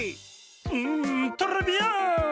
んトレビアーン！